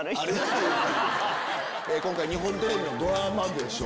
今回日本テレビのドラマでしょ。